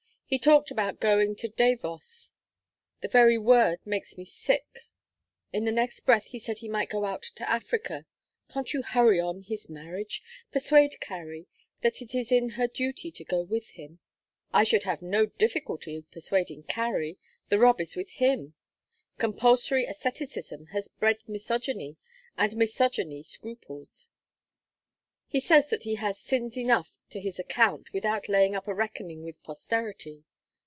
He talked about going to Davos the very word makes me sick! In the next breath he said he might go out to Africa. Can't you hurry on his marriage? persuade Carry that it is her duty to go with him?" "I should have no difficulty persuading Carry. The rub is with him. Compulsory asceticism has bred misogyny, and misogyny scruples. He says that he has sins enough to his account without laying up a reckoning with posterity.